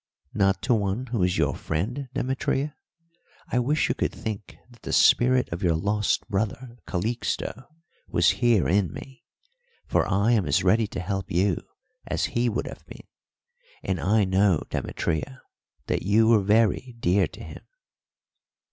"Not to one who is your friend, Demetria? I wish you could think that the spirit of your lost brother Calixto was here in me, for I am as ready to help you as he would have been; and I know, Demetria, that you were very dear to him."